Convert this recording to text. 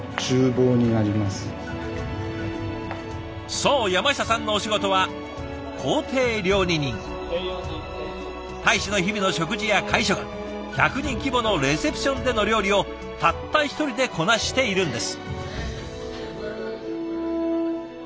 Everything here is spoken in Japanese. そう山下さんのお仕事は大使の日々の食事や会食１００人規模のレセプションでの料理をたった一人でこなしているんです。